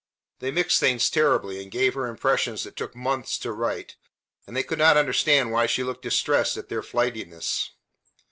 They mixed things terribly, and gave her impressions that took months to right; and they could not understand why she looked distressed at their flightiness.